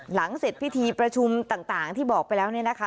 หลังเสร็จพิธีประชุมต่างที่บอกไปแล้วเนี่ยนะคะ